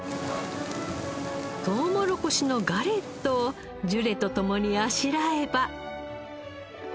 とうもろこしのガレットをジュレと共にあしらえば。